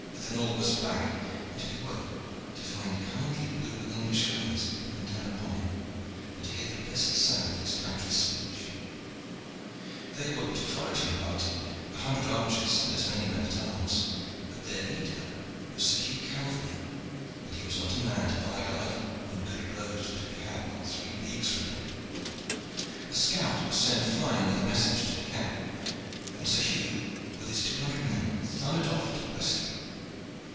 Then all was blank, until he woke to find kindly blue English eyes peering down upon him and to hear the blessed sound of his country's speech. They were but a foraging party a hundred archers and as many men at arms but their leader was Sir Hugh Calverley, and he was not a man to bide idle when good blows were to be had not three leagues from him. A scout was sent flying with a message to the camp, and Sir Hugh, with his two hundred men, thundered off to the rescue.